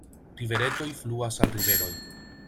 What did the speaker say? Riveretoj fluas al riveroj.